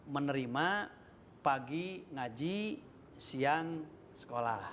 menerima pagi ngaji siang sekolah